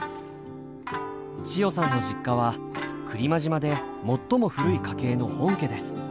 千代さんの実家は来間島で最も古い家系の本家です。